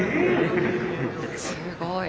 すごい。